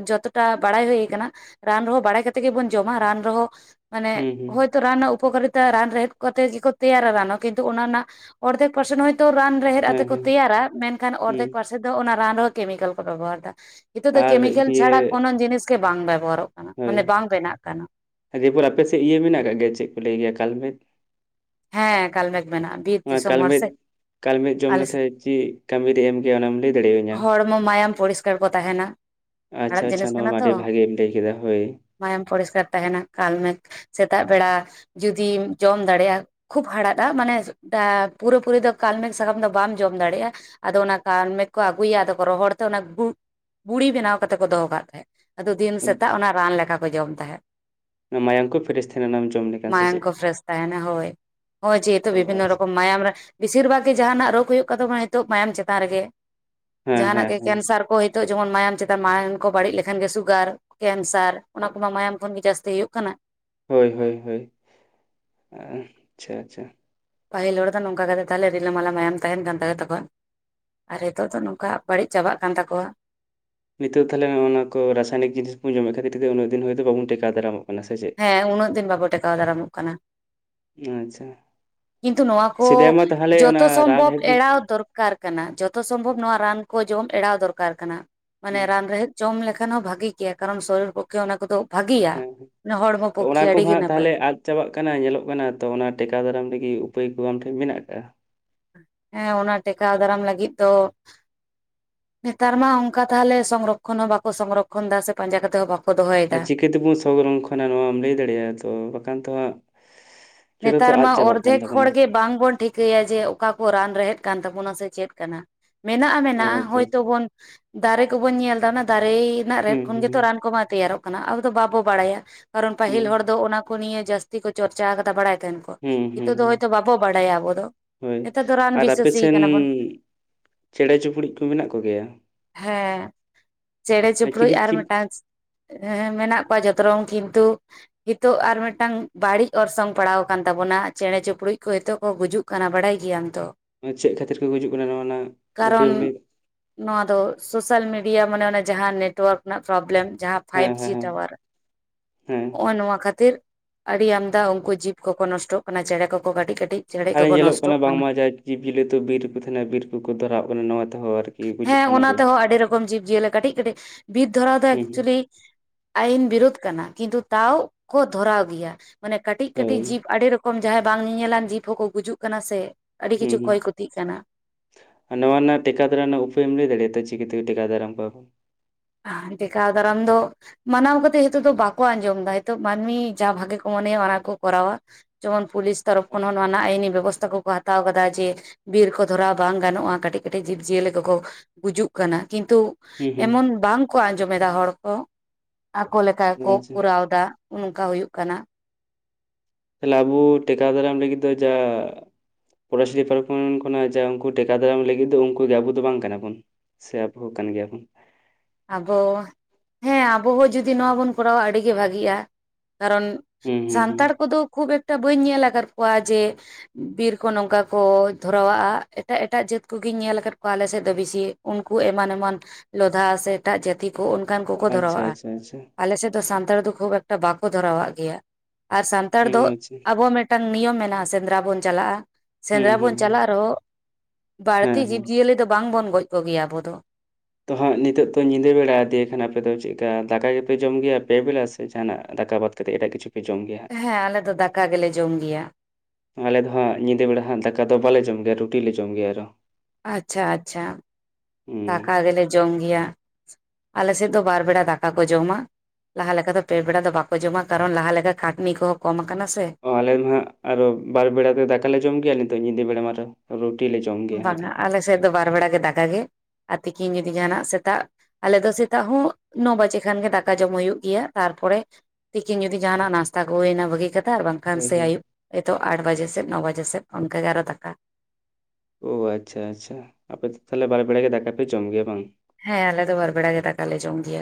ᱡᱚᱛᱚᱴᱟ ᱵᱟᱲᱟᱭ ᱦᱩᱭ ᱠᱟᱱᱟ, ᱨᱟᱱ ᱨᱮᱦᱚᱸ ᱵᱟᱲᱟᱭ ᱠᱟᱛᱮᱜ ᱜᱮᱵᱚᱱ ᱡᱚᱢᱟ, ᱨᱟᱱ ᱨᱮᱦᱚᱸ ᱢᱟᱱᱮ ᱦᱩᱸ ᱦᱩᱸ ᱦᱳᱭ ᱨᱟᱱ ᱨᱮᱱᱟᱜ ᱩᱯᱚᱠᱟᱨᱤᱛᱟ ᱨᱟᱱ ᱨᱮᱦᱮᱫ ᱠᱟᱛᱮ ᱜᱮᱠᱚ ᱛᱮᱭᱟᱨᱟ ᱨᱟᱱ ᱦᱚᱸ ᱠᱤᱱᱛᱩ ᱚᱱᱟ ᱨᱮᱱᱟᱜ ᱚᱨᱫᱷᱮᱠ ᱯᱟᱨᱥᱮᱱ ᱦᱚᱭᱛᱚ ᱨᱟᱱ ᱨᱮᱦᱮᱫ ᱦᱮᱸ ᱟᱛᱮᱫ ᱠᱚ ᱦᱮᱸ ᱛᱮᱭᱟᱨᱟ, ᱢᱮᱱᱠᱷᱟᱱ ᱦᱩᱸ ᱚᱨᱫᱷᱮᱠ ᱯᱟᱨᱥᱮᱱ ᱫᱚ ᱚᱱᱟ ᱨᱟᱱ ᱨᱮᱦᱚᱸ ᱠᱮᱢᱤᱠᱮᱞ ᱠᱚ ᱵᱮᱵᱚᱦᱟᱨ ᱫᱟ᱾ ᱱᱤᱛᱚᱜ ᱫᱚ ᱟᱨ ᱠᱮᱢᱤᱠᱮᱞ ᱫᱤᱭᱮ ᱪᱷᱟᱲᱟ ᱠᱚᱱᱚ ᱡᱤᱱᱤᱥ ᱜᱮ ᱵᱟᱝ ᱵᱮᱵᱚᱦᱟᱨᱚᱜ ᱠᱟᱱᱟ, ᱢᱟᱱᱮ ᱵᱟᱝ ᱵᱮᱱᱟᱜ ᱠᱟᱱᱟ᱾ ᱦᱚᱡᱤᱯᱩᱨ ᱟᱯᱮᱥᱮᱫ ᱤᱭᱟᱹ ᱢᱮᱱᱟᱜ ᱟᱠᱟᱫ ᱜᱮᱭᱟ ᱪᱮᱫ ᱠᱚ ᱞᱟᱹᱭ ᱜᱮᱭᱟ ᱠᱟᱞᱢᱮᱪ? ᱦᱮᱸ ᱠᱟᱞᱢᱮᱠ ᱢᱮᱱᱟᱜ-ᱟ᱾ ᱦᱚᱸᱜᱼᱚᱭ ᱠᱟᱞᱢᱮᱪ, ᱠᱟᱞᱢᱮᱪ ᱡᱚᱢ ᱥᱮᱫ ᱞᱮᱠᱷᱟᱡ ᱪᱤᱜ ᱠᱟᱹᱢᱤᱨᱮ ᱮᱢᱜᱮᱭᱟ ᱚᱱᱟᱢ ᱞᱟᱹᱭ ᱫᱟᱲᱮᱭᱟᱹᱧᱟ? ᱦᱚᱲᱢᱚ ᱢᱟᱭᱟᱢ ᱯᱚᱨᱤᱥᱠᱟᱨ ᱠᱚ ᱛᱟᱦᱮᱱᱟ᱾ ᱟᱪᱪᱷᱟ ᱟᱲᱟᱜ ᱟᱪᱪᱷᱟ, ᱡᱤᱱᱤᱥ ᱱᱚᱣᱟ ᱠᱟᱱᱟ ᱢᱟ ᱛᱚ ᱟᱹᱰᱤ ᱵᱷᱟᱜᱤᱢ ᱞᱟᱹᱭ ᱠᱮᱫᱟ ᱦᱳᱭ᱾ ᱢᱟᱭᱟᱢ ᱯᱚᱨᱤᱥᱠᱟᱨ ᱛᱟᱦᱮᱱᱟ ᱠᱟᱞᱢᱮᱠ ᱥᱮᱛᱟᱜ ᱵᱮᱲᱟ ᱡᱩᱫᱤᱢ ᱡᱚᱢ ᱫᱟᱲᱮᱭᱟᱜᱼᱟ᱾ ᱠᱷᱩᱵ ᱦᱟᱲᱟᱫᱼᱟ, ᱢᱟᱱᱮ ᱟᱸ ᱯᱩᱨᱟᱹ ᱯᱩᱨᱤ ᱫᱚ ᱠᱟᱞᱢᱮᱡ ᱥᱟᱠᱟᱢ ᱫᱚ ᱵᱟᱢ ᱡᱚᱢ ᱫᱟᱲᱮᱭᱟᱜᱼᱟ᱾ ᱟᱫᱚ ᱚᱱᱟ ᱠᱟᱞᱢᱮᱠ ᱠᱚ ᱟᱹᱜᱩᱭᱟ ᱟᱫᱚ ᱨᱚᱦᱚᱲ ᱛᱮ ᱵᱩ ᱵᱩᱲᱤ ᱵᱮᱱᱟᱣ ᱠᱟᱛᱮ ᱠᱚ ᱫᱚᱦᱚ ᱠᱟᱜ ᱛᱟᱦᱮᱸᱫ᱾ ᱟᱫᱚ ᱫᱤᱱ ᱥᱮᱛᱟᱜ ᱚᱱᱟ ᱨᱟᱱ ᱞᱮᱠᱟ ᱠᱚ ᱡᱚᱢ ᱛᱟᱦᱮᱸᱫ᱾ ᱢᱟᱭᱟᱝ ᱠᱚ ᱯᱷᱨᱮᱥ ᱛᱟᱦᱮᱱᱟ ᱚᱱᱟᱢ ᱡᱚᱢ ᱞᱮᱠᱷᱟᱱ ᱥᱮ ᱢᱟᱭᱟᱝ ᱪᱮᱫ ᱠᱚ ᱯᱷᱨᱮᱥ ᱛᱟᱭᱱᱟ ᱦᱳᱭ᱾ ᱦᱚᱸᱜ-ᱚᱭ ᱡᱮ ᱦᱤᱛᱚᱜ ᱚ ᱵᱤᱵᱷᱤᱱᱱᱚ ᱟᱪᱪᱷᱟ ᱨᱚᱠᱚᱢ ᱢᱟᱭᱟᱢ ᱨᱮ ᱵᱮᱥᱤᱨ ᱵᱷᱟᱜᱽ ᱜᱮ ᱡᱟᱦᱟᱱᱟᱜ ᱨᱳᱜᱽ ᱦᱩᱭᱩᱜ ᱠᱟᱱ ᱛᱟᱵᱚᱱᱟ ᱱᱤᱛᱳᱜ ᱢᱟᱭᱟᱢ ᱪᱮᱛᱟᱱ ᱨᱮᱜᱮ᱾ ᱦᱮᱸ ᱡᱟᱦᱟᱱᱟᱜ ᱦᱮᱸ ᱜᱮ ᱦᱮᱸ ᱠᱮᱱᱥᱟᱨ ᱠᱚ ᱦᱤᱛᱚᱜ ᱡᱮᱢᱚᱱ ᱢᱟᱭᱟᱢ ᱪᱮᱛᱟᱱ ᱢᱟᱭᱟᱢ ᱠᱚ ᱵᱟᱹᱲᱤᱡ ᱞᱮᱠᱷᱟᱱ ᱜᱮ ᱥᱩᱜᱟᱨ, ᱠᱮᱱᱥᱟᱨ ᱚᱱᱟ ᱠᱚᱢᱟ ᱢᱟᱭᱟᱢ ᱠᱷᱚᱱᱜᱮ ᱡᱟᱹᱥᱛᱤ ᱦᱩᱭᱩᱜ ᱠᱟᱱᱟ᱾ ᱦᱳᱭ ᱦᱳᱭ ᱦᱳᱭ, ᱟᱪᱪᱷᱟ ᱟᱪᱪᱷᱟ᱾ ᱯᱟᱦᱤᱞ ᱦᱚᱲ ᱫᱚ ᱱᱚᱝᱠᱟ ᱠᱟᱛᱮᱫ ᱛᱟᱦᱟᱞᱮ ᱨᱤᱞᱟᱹ ᱢᱟᱞᱟ ᱢᱟᱭᱟᱢ ᱛᱟᱦᱮᱱ ᱠᱟᱱ ᱛᱟᱭ ᱛᱠᱚᱭᱟ᱾ ᱟᱨ ᱦᱤᱛᱚᱜ ᱫᱚ ᱱᱚᱝᱠᱟ ᱵᱟᱹᱲᱤᱡ ᱪᱟᱵᱟᱜ ᱠᱟᱱ ᱛᱟᱠᱚᱣᱟ᱾ ᱱᱤᱛᱚᱜ ᱛᱟᱦᱚᱞᱮ ᱱᱚᱜᱼᱚ ᱱᱚᱣᱟ ᱠᱚ ᱨᱟᱥᱟᱭᱱᱤᱠ ᱡᱤᱱᱤᱥ ᱵᱚᱱ ᱡᱚᱢᱮᱫ ᱠᱷᱟᱹᱛᱤᱨ ᱛᱮ ᱩᱱᱟᱹᱜ ᱫᱤᱱ ᱦᱚᱭᱛᱚ ᱵᱟᱵᱚᱱ ᱴᱮᱠᱟᱣ ᱫᱟᱨᱟᱢᱚᱜ ᱠᱟᱱᱟ ᱥᱮ ᱪᱮᱫ? ᱦᱮᱸ ᱩᱱᱟᱹᱜ ᱫᱤᱱ ᱵᱟᱵᱚ ᱴᱮᱠᱟᱣ ᱫᱟᱨᱟᱢᱚᱜ ᱠᱟᱱᱟ᱾ ᱟᱪᱪᱷᱟ ᱠᱤᱱᱛᱩ ᱱᱚᱣᱟ ᱠᱚ ᱥᱮᱫᱟᱭ ᱢᱟ ᱛᱟᱦᱚᱞᱮ ᱚᱱᱟ ᱡᱚᱛᱚ ᱨᱟᱱ ᱥᱚᱢᱵᱷᱚᱵ ᱨᱮᱦᱮᱫ ᱜᱮ ᱮᱲᱟᱣ ᱫᱚᱨ ᱠᱟᱨ ᱠᱟᱱᱟ, ᱡᱚᱛᱚ ᱥᱚᱢᱵᱷᱚᱵ ᱱᱚᱣᱟ ᱨᱟᱱ ᱠᱚ ᱡᱚᱢ ᱮᱲᱟᱣ ᱫᱚᱨᱠᱟᱨ ᱠᱟᱱᱟ, ᱢᱟᱱᱮ ᱦᱩᱸ, ᱨᱟᱱ ᱨᱮᱦᱮᱫ ᱡᱚᱢ ᱞᱮᱠᱷᱟᱱ ᱦᱚᱸ ᱵᱷᱟᱜᱮ ᱜᱮᱭᱟ, ᱠᱟᱨᱚᱱ ᱥᱚᱨᱤᱨ ᱯᱚᱠᱠᱷᱮ ᱚᱱᱟ ᱠᱚᱫᱚ ᱵᱷᱟᱜᱤᱭᱟ᱾ ᱦᱮᱸ ᱦᱮᱸ ᱚᱱᱮ ᱦᱚᱲᱢᱚ ᱛᱚ ᱚᱱᱟ ᱯᱚᱠᱠᱷᱮ ᱠᱚ ᱟᱹᱰᱤ ᱜᱮ ᱦᱟᱸᱜ ᱱᱟᱯᱟᱭᱟ᱾ ᱛᱟᱦᱚᱞᱮ ᱟᱫ ᱪᱟᱵᱟᱜ ᱠᱟᱱᱟ ᱧᱮᱞᱚᱜ ᱠᱟᱱᱟ ᱛᱚ ᱚᱱᱟ ᱴᱮᱠᱟᱣ ᱫᱟᱨᱟᱢ ᱞᱟᱹᱜᱤᱫ ᱩᱯᱟᱹᱭ ᱠᱚ ᱟᱢ ᱴᱷᱮᱱ ᱢᱮᱱᱟᱜ ᱟᱠᱟᱜᱼᱟ? ᱦᱮᱸ ᱚᱱᱟ ᱴᱮᱠᱟᱣ ᱫᱟᱨᱟᱢ ᱞᱟᱜᱤᱫ ᱫᱚ ᱱᱮᱛᱟᱨ ᱢᱟ ᱚᱱᱠᱟ ᱛᱟᱦᱟᱞᱮ ᱥᱚᱝᱨᱚᱠᱠᱷᱚᱱ ᱦᱚᱸ ᱵᱟᱠᱚ ᱥᱚᱝᱨᱚᱠᱷᱚᱱ ᱫᱟ, ᱥᱮ ᱯᱟᱸᱡᱟ ᱠᱟᱛᱮ ᱦᱚᱸ ᱵᱟᱠᱚ ᱫᱚᱦᱚᱭᱮᱫᱟ᱾ ᱟᱨ ᱪᱤᱠᱟᱹ ᱛᱮᱵᱚᱱ ᱥᱚᱝᱨᱠᱠᱷᱚᱱᱟ ᱱᱚᱣᱟᱢ ᱞᱟᱹᱭ ᱫᱟᱲᱮᱭᱟᱜᱼᱟ ᱛᱚ ᱵᱟᱠᱷᱟᱱ ᱛᱚ ᱦᱟᱸᱜ ᱡᱚᱛᱚ ᱛᱚ ᱱᱮᱛᱟᱨ ᱟᱫ ᱢᱟ ᱪᱟᱵᱟᱜ ᱠᱟᱱ ᱚᱨᱫᱷᱮᱠ ᱛᱟᱵᱚᱱᱟ ᱦᱚᱲ ᱜᱮ ᱵᱟᱝᱵᱚᱱ ᱴᱷᱤᱠ ᱪᱤᱠᱟᱹᱭᱟ ᱡᱮ ᱚᱠᱟ ᱠᱚ ᱨᱟᱱ ᱨᱮᱦᱮᱫ ᱠᱟᱱ ᱛᱟᱵᱚᱱᱟ ᱥᱮ ᱪᱮᱫ ᱠᱟᱱᱟ, ᱢᱮᱱᱟᱜᱼᱟ ᱚ ᱢᱮᱱᱟᱜᱼᱟ ᱟᱪᱪᱷᱟ ᱦᱳᱭᱛᱚ ᱵᱚᱱ ᱫᱟᱨᱮ ᱠᱚᱵᱚᱱ ᱧᱮᱞ ᱫᱟ ᱚᱱᱟ ᱫᱟᱨᱮ ᱨᱮᱱᱟᱜ ᱨᱮᱦᱮᱫ ᱦᱩᱸ ᱠᱷᱚᱱ ᱦᱩᱸ ᱜᱮᱛᱚ ᱨᱟᱱ ᱠᱚᱢᱟ ᱛᱮᱭᱟᱨᱚᱜ ᱠᱟᱱᱟ, ᱟᱵᱚ ᱫᱚ ᱵᱟᱵᱚ ᱵᱟᱲᱟᱭᱟ᱾ ᱠᱟᱨᱚᱱ ᱯᱟᱦᱤᱞ ᱦᱩᱸ ᱦᱚᱲ ᱫᱚ ᱚᱱᱟ ᱠᱚ ᱱᱤᱭᱟᱹ ᱡᱟᱹᱥᱛᱤ ᱠᱚ ᱪᱚᱨᱪᱟ ᱠᱟᱫᱟ ᱵᱟᱲᱟᱭ ᱛᱟᱦᱮᱱᱟ ᱠᱚ ᱦᱩᱸ ᱾ ᱦᱩᱸ ᱦᱤᱛᱚᱜ ᱫᱚ ᱦᱩᱸ ᱦᱳᱭᱛᱚ ᱵᱟᱵᱚ ᱵᱟᱲᱟᱭᱟ ᱟᱵᱚ ᱫᱚ, ᱦᱳᱭ ᱦᱤᱛᱚᱜ ᱫᱚ ᱨᱟᱱ ᱟᱨ ᱟᱯᱮ ᱵᱤᱥᱟᱹᱥᱤ ᱥᱮᱱ ᱠᱟᱱᱟ ᱵᱚᱱ ᱾ ᱪᱮᱬᱮ ᱪᱩᱯᱩᱲᱤᱡ ᱠᱚ ᱢᱮᱱᱟᱜ ᱠᱚᱜᱮᱭᱟ? ᱦᱮᱸ, ᱪᱮᱬᱮ ᱪᱩᱯᱲᱩᱡ ᱪᱤᱞᱤ ᱟᱨ ᱪᱤᱞᱤ ᱢᱤᱫᱴᱟᱝ ᱦᱮᱸ, ᱢᱮᱱᱟᱜ ᱠᱚᱣᱟ ᱡᱚᱛᱚ ᱨᱚᱝ ᱠᱤᱱᱛᱩ ᱱᱤᱛᱚᱜ ᱟᱨ ᱢᱮᱫᱴᱟᱝ ᱵᱟᱹᱲᱤᱡ ᱚᱨᱥᱚᱝ ᱯᱟᱲᱟᱣ ᱠᱟᱱ ᱛᱟᱵᱚᱱᱟ, ᱪᱮᱬᱮ ᱪᱤᱯᱲᱩᱡ ᱠᱚ ᱦᱤᱛᱚᱜ ᱠᱚ ᱜᱩᱡᱩᱜ ᱠᱟᱱᱟ ᱵᱟᱲᱟᱭ ᱜᱮᱭᱟᱢ ᱛᱚ! ᱪᱮᱜ ᱠᱷᱟᱹᱛᱤᱨ ᱠᱚ ᱜᱩᱡᱩᱜ ᱠᱟᱱᱟ ᱱᱚᱣᱟ ᱱᱟᱜ ᱠᱟᱨᱚᱱ ᱩᱯᱟᱹᱭᱮᱢ ᱞᱮ ᱱᱚᱣᱟ ᱫᱚ ᱥᱳᱥᱟᱞ ᱢᱤᱰᱤᱭᱟ ᱢᱟᱱᱮ ᱚᱱᱟ ᱡᱟᱦᱟᱸ ᱱᱮᱴᱣᱟᱨᱠ ᱱᱟᱜ ᱯᱨᱚᱵᱞᱮᱢ ᱡᱟᱦᱟᱸ ᱦᱮᱸ ᱯᱷᱟᱭᱤᱵ ᱦᱮᱸ ᱡᱤ ᱦᱮᱸ ᱴᱟᱣᱟᱨ ᱦᱮᱸ ᱦᱚᱜ ᱱᱚᱣᱟ ᱠᱷᱟᱹᱛᱤᱨ ᱟᱹᱲᱤ ᱟᱢᱫᱟ ᱩᱝᱠᱩ ᱡᱤᱵ ᱠᱚᱠᱚ ᱱᱚᱥᱴᱚᱜ ᱠᱟᱱᱟ, ᱪᱮᱬᱮ ᱠᱚᱠᱚ ᱠᱟᱹᱴᱤᱡ ᱠᱟᱹᱴᱤᱡ ᱪᱮᱬᱮ ᱟᱨ ᱠᱚᱠᱚ ᱧᱮᱞᱚᱜ ᱠᱟᱱᱟ ᱱᱚᱥᱴᱚᱜ ᱵᱟᱝᱢᱟ ᱡᱟᱦᱟᱸ ᱡᱤᱵᱽᱼᱡᱤᱭᱟᱹᱞᱤ ᱛᱚ ᱵᱤᱨ ᱨᱮᱠᱚ ᱛᱟᱦᱮᱱᱟ ᱵᱤᱨ ᱠᱚᱠᱚ ᱫᱷᱚᱨᱟᱣᱟᱜ ᱠᱟᱱᱟ ᱱᱚᱣᱟ ᱛᱮᱦᱚᱸ ᱟᱨ ᱦᱮᱸ, ᱚᱱᱟ ᱛᱮᱦᱚᱸ ᱟᱹᱰᱤ ᱨᱚᱠᱚᱢ ᱡᱤᱵᱼᱡᱤᱭᱟᱹᱞᱤ ᱠᱟᱹᱴᱤᱡ ᱠᱟᱹᱴᱤᱡ, ᱵᱤᱨ ᱫᱷᱚᱨᱟᱣ ᱫᱚ ᱦᱩᱸ ᱦᱩᱸ ᱮᱠᱪᱩᱭᱮᱞᱤ ᱟᱭᱤᱱ ᱵᱤᱨᱳᱫ ᱠᱟᱱᱟ, ᱠᱤᱱᱛᱩ ᱛᱟᱣ ᱠᱚ ᱫᱷᱚᱨᱟᱣ ᱜᱮᱭᱟ ᱢᱟᱱᱮ ᱠᱟᱹᱴᱤᱡ ᱠᱟᱹᱴᱤᱡ ᱦᱳᱭ ᱡᱤᱵ ᱟᱹᱰᱤ ᱨᱚ ᱠᱚᱢ ᱡᱟᱦᱟᱸᱭ ᱵᱟᱝ ᱧᱮᱧᱮᱞᱟᱱ ᱡᱤᱵᱽ ᱦᱚᱸᱠᱚ ᱜᱩᱡᱩᱜ ᱠᱟᱱᱟ ᱥᱮ ᱟᱹᱰᱤ ᱦᱩᱸ ᱠᱤᱪᱷᱩ ᱦᱩᱸ ᱠᱷᱚᱭ ᱠᱷᱚᱛᱤᱜ ᱠᱟᱱᱟ ᱾ ᱟᱨ ᱱᱚᱣᱟ ᱱᱟᱜ ᱴᱮᱠᱟᱣ ᱫᱟᱨᱟᱱ ᱱᱟᱜ ᱩᱯᱟᱹᱭᱮᱢ ᱞᱮᱭ ᱫᱟᱲᱮᱭᱟᱜᱼᱟ ᱛᱚ ᱪᱤᱠᱟᱹᱛᱮ ᱴᱮᱠᱟᱣ ᱫᱟᱨᱟᱢ ᱠᱚᱣᱟᱵᱚᱱ? ᱦᱟ, ᱴᱮᱠᱟᱣ ᱫᱟᱨᱟᱢ ᱫᱚ ᱢᱟᱱᱟᱣ ᱠᱟᱛᱮᱜ ᱦᱤᱛᱚᱜ ᱫᱚ ᱵᱟᱠᱚ ᱟᱸᱡᱚᱢ ᱫᱟ ᱦᱤᱛᱚᱜ ᱢᱟᱹᱱᱢᱤ ᱡᱟ ᱵᱷᱟᱜᱮ ᱠᱚ ᱢᱚᱱᱮᱭᱟ ᱚᱱᱟ ᱜᱮᱠᱚ ᱠᱚᱨᱟᱣᱟ ᱾ ᱡᱮᱢᱚᱱ ᱯᱩᱞᱤᱥ ᱛᱚᱨᱚᱯᱷ ᱠᱷᱚᱱ ᱦᱚᱸ ᱱᱟᱣᱟ ᱱᱟᱜ ᱟᱭᱤᱱᱤ ᱵᱮᱵᱚᱥᱛᱷᱟ ᱠᱚᱠᱚ ᱦᱟᱛᱟᱣ ᱠᱟᱫᱟ ᱡᱮ ᱵᱤᱨ ᱠᱚ ᱫᱷᱚᱨᱟᱣ ᱵᱟᱝ ᱜᱟᱱᱚᱜᱼᱟ ᱠᱟᱹᱴᱤᱡ ᱠᱟᱹᱴᱤᱡ ᱡᱤᱵᱽᱡᱤᱭᱟᱹᱞᱤ ᱠᱚᱠᱚ ᱜᱩᱡᱩᱜ ᱠᱟᱱᱟ, ᱠᱤᱱᱛᱩ ᱦᱩᱸ ᱮᱢᱚᱱ ᱦᱩᱸ ᱵᱟᱝᱠᱚ ᱟᱸᱡᱚᱢᱮᱫᱟ ᱦᱚᱲ ᱠᱚ, ᱟᱠᱚ ᱞᱮᱠᱟ ᱠᱚ ᱟᱪᱪᱷᱟ ᱠᱩᱨᱟᱣᱫᱟ ᱾ ᱚᱱᱚᱠᱟ ᱦᱳᱭᱳᱜ ᱠᱟᱱᱟ ᱾ ᱛᱟᱦᱞᱮ ᱟᱵᱚ ᱴᱮᱠᱟᱣ ᱫᱟᱨᱟᱢ ᱞᱟᱹᱜᱤᱫ ᱫᱚ ᱡᱟᱻ ᱯᱚᱨᱮᱥ ᱰᱤᱯᱟᱨ ᱠᱚᱱ ᱠᱷᱚᱱᱟᱜ ᱡᱟ ᱩᱝᱠᱩ ᱴᱮᱠᱟ ᱫᱟᱨᱟᱢ ᱞᱟᱹᱜᱤᱫ ᱫᱚ ᱩᱝᱠᱩ ᱜᱮ ᱟᱵᱚ ᱫᱚ ᱵᱟᱝ ᱠᱟᱱᱟ ᱵᱚᱱ ᱾ ᱥᱮ ᱟᱵᱚ ᱦᱚᱸ ᱠᱟᱱ ᱜᱮᱭᱟᱵᱚᱱ? ᱟᱵᱚᱻ ᱦᱮᱸ ᱟᱵᱚ ᱦᱚᱸ ᱡᱩᱫᱤ ᱱᱚᱣᱟ ᱵᱚᱱ ᱠᱚᱨᱟᱣᱟ ᱟᱹᱰᱤ ᱜᱮ ᱵᱷᱟᱜᱤᱜᱼᱟ ᱾ ᱠᱟᱨᱚᱱ ᱦᱩᱸ ᱦᱩᱸ ᱦᱩᱸ ᱥᱟᱱᱛᱟᱲ ᱠᱚᱫᱚ ᱠᱷᱩᱵ ᱮᱠᱴᱟ ᱵᱟᱹᱧ ᱧᱮᱞ ᱟᱠᱟᱫ ᱠᱚᱣᱟ ᱡᱮ ᱵᱤᱨ ᱠᱚ ᱱᱚᱝᱠᱟ ᱠᱚ ᱫᱷᱚᱨᱟᱣᱟᱜᱼᱟ, ᱮᱴᱟᱜ ᱮᱴᱟᱜ ᱡᱟᱹᱛ ᱠᱚᱜᱤᱧ ᱧᱮᱞ ᱟᱠᱟᱫ ᱠᱚᱣᱟ ᱟᱞᱮᱥᱮᱫ ᱫᱚ ᱵᱮᱥᱤ ᱾ ᱩᱱᱠᱩ ᱮᱢᱟᱱ ᱮᱢᱟᱱ ᱞᱚᱫᱷᱟ ᱥᱮ ᱮᱴᱟᱜ ᱡᱟᱹᱛᱤ ᱠᱚ ᱚᱱᱠᱟᱱ ᱠᱚᱠᱚ ᱟᱪᱪᱷᱟ ᱫᱷᱚᱨᱟᱣᱟᱜᱼᱟ, ᱟᱪᱪᱷᱟ ᱟᱪᱪᱷᱟ ᱟᱞᱮᱥᱮᱫ ᱫᱚ ᱥᱟᱱᱛᱟᱲ ᱫᱚ ᱠᱷᱩᱵ ᱮᱠᱴᱟ ᱵᱟᱠᱚ ᱫᱷᱚᱨᱟᱣᱟᱜ ᱜᱮᱭᱟ, ᱟᱨ ᱥᱟᱱᱛᱟᱲ ᱫᱚ ᱦᱩᱸ ᱟᱪᱪᱷᱟ ᱟᱵᱚ ᱢᱮᱫ ᱴᱟᱝ ᱱᱤᱭᱚᱢ ᱢᱮᱱᱟᱜᱼᱟ ᱥᱮᱸᱫᱽᱨᱟ ᱵᱚᱱ ᱪᱟᱞᱟᱜᱼᱟ ᱾ ᱦᱩᱸ ᱥᱮᱸᱫᱽᱨᱟ ᱦᱩᱸ ᱵᱚᱱ ᱦᱩᱸ ᱪᱟᱞᱟᱜ ᱨᱮᱦᱚᱸ ᱦᱮᱸ ᱵᱟᱹᱲᱛᱤ ᱡᱤᱵᱽ ᱦᱮᱸ ᱡᱤᱭᱟᱹᱞᱤ ᱫᱚ ᱵᱟᱝᱵᱚᱱ ᱜᱚᱡ ᱠᱚᱜᱮᱭᱟ ᱟᱵᱚ ᱫᱚ ᱾ ᱛᱚ ᱦᱟᱸᱜ ᱱᱤᱛᱚᱜ ᱛᱚ ᱧᱤᱫᱟᱹ ᱵᱮᱲᱟ ᱫᱤᱭᱮ ᱠᱷᱟᱱ ᱟᱯᱮ ᱫᱚ ᱪᱮᱜᱠᱟ ᱫᱟᱠᱟ ᱜᱮᱯᱮ ᱡᱚᱢ ᱜᱮᱭᱟ ᱯᱮ ᱵᱮᱞᱟ ᱥᱮ ᱡᱟᱦᱟᱱᱟᱜ ᱫᱟᱠᱟ ᱵᱟᱛ ᱠᱟᱛᱮᱜ ᱮᱴᱟᱜ ᱠᱤᱪᱷᱩ ᱯᱮ ᱡᱚᱢ ᱜᱮᱭᱟ ᱦᱮᱸ ᱟᱞᱮ ᱫᱚ ᱫᱟᱠᱟ ᱜᱮᱞᱮ ᱡᱚᱢ ᱜᱮᱭᱟ ᱾ ᱟᱞᱮ ᱫᱚ ᱦᱟᱸᱜ ᱧᱤᱫᱟᱹ ᱵᱮᱲᱟ ᱦᱟᱸᱜ ᱫᱟᱠᱟ ᱫᱚ ᱵᱟᱞᱮ ᱡᱚᱢ ᱜᱮᱭᱟ ᱨᱩᱴᱤᱞᱮ ᱡᱚᱢ ᱜᱮᱭᱟ ᱟᱨᱚ ᱾ ᱟᱪᱪᱷᱟ ᱟᱪᱪᱷᱟ! ᱦᱩᱸ ᱫᱟᱠᱟ ᱜᱮᱞᱮ ᱡᱚᱝᱜᱮᱭᱟ ᱾ ᱟᱞᱮᱥᱮᱫ ᱫᱚ ᱵᱟᱨ ᱵᱮᱲᱟ ᱫᱟᱠᱟ ᱠᱚ ᱡᱚᱢᱟ ᱾ ᱞᱟᱦᱟ ᱞᱮᱠᱟ ᱫᱚ ᱯᱮ ᱵᱮᱲᱟ ᱫᱚ ᱵᱟᱠᱚ ᱡᱚᱢᱟ ᱠᱟᱨᱚᱱ ᱞᱟᱦᱟ ᱞᱮᱠᱟ ᱠᱷᱟᱴᱱᱤ ᱠᱚᱦᱚᱸ ᱠᱚᱢ ᱟᱠᱟᱱᱟ ᱥᱮ ᱾ ᱚ ᱟᱞᱮ ᱢᱟᱦᱟᱜ ᱟᱨᱚ ᱵᱟᱨ ᱵᱮᱲᱟ ᱫᱚ ᱫᱟᱠᱟᱞᱮ ᱡᱚᱢ ᱜᱮᱭᱟ ᱱᱤᱛᱚᱜ ᱧᱤᱫᱟᱹ ᱵᱮᱲᱟ ᱢᱟ ᱟᱨᱚ ᱨᱩᱴᱤᱞᱮ ᱡᱚᱢ ᱜᱮᱭᱟ ᱦᱟᱸᱜ ᱵᱟᱝᱟ ᱟᱞᱮᱥᱮᱫ ᱫᱚ ᱵᱟᱨ ᱵᱮᱲᱟ ᱜᱮ ᱫᱟᱠᱟ ᱜᱮ ᱟᱨ ᱛᱤᱠᱤᱱ ᱡᱩᱫᱤ ᱡᱟᱦᱟᱱᱟᱜ ᱥᱮᱛᱟᱜ ᱟᱞᱮ ᱫᱚ ᱥᱮᱛᱟᱜ ᱦᱚᱸ ᱱᱚ ᱵᱟᱡᱮ ᱠᱷᱟᱱᱜᱮ ᱫᱟᱠᱟ ᱡᱚᱢ ᱦᱩᱭᱩᱜ ᱜᱮᱭᱟ, ᱛᱟᱨᱯᱚᱨᱮ ᱛᱤᱠᱤᱱ ᱡᱩᱫᱤ ᱡᱟᱦᱟᱱᱟᱜ ᱱᱟᱥᱛᱟ ᱠᱚ ᱦᱩᱭᱮᱱᱟ ᱵᱷᱟᱹᱜᱤ ᱠᱟᱛᱷᱟ ᱟᱨ ᱵᱟᱝ ᱠᱷᱟᱱ ᱦᱳᱭ ᱥᱮ ᱦᱳᱭ ᱟᱭᱩᱵ ᱮᱛᱚᱜ ᱟᱴ ᱵᱟᱡᱮ ᱥᱮᱫ ᱱᱚ ᱵᱟᱡᱮ ᱥᱮᱫ ᱚᱱᱠᱟ ᱜᱮ ᱟᱨᱚ ᱫᱟᱠᱟ ᱚ ᱟᱪᱪᱷᱟ ᱟᱪᱪᱷᱟ! ᱟᱯᱮ ᱫᱚ ᱛᱟᱦᱚᱞᱮ ᱵᱟᱨ ᱵᱮᱲᱟ ᱜᱮ ᱫᱟᱠᱟ ᱯᱮ ᱡᱚᱢ ᱜᱮᱭᱟ ᱵᱟᱝ! ᱦᱮᱸ, ᱟᱞᱮ ᱫᱚ ᱵᱟᱨ ᱵᱮᱲᱟ ᱜᱮ ᱫᱟᱠᱟ ᱞᱮ ᱡᱚᱢ ᱜᱮᱭᱟ ᱾